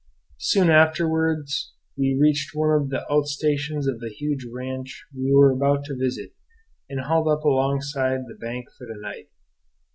Soon afterward we reached one of the outstations of the huge ranch we were about to visit, and hauled up alongside the bank for the night.